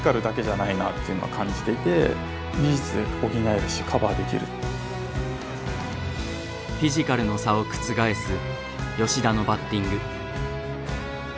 やっぱりフィジカルの差を覆す吉田のバッティング。